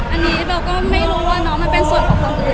อันนี้เบลก็ไม่รู้ว่าน้องมันเป็นส่วนของคนอื่น